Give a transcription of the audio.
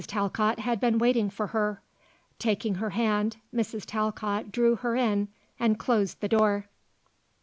Talcott had been waiting for her. Taking her hand, Mrs. Talcott drew her in and closed the door.